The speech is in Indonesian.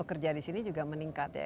kerja di sini juga meningkat ya